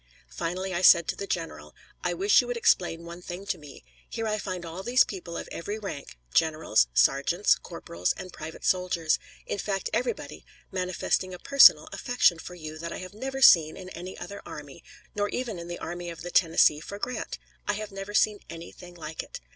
Finally I said to the general: "I wish you would explain one thing to me. Here I find all these people of every rank generals, sergeants, corporals, and private soldiers; in fact, everybody manifesting a personal affection for you that I have never seen in any other army, not even in the Army of the Tennessee for Grant. I have never seen anything like it.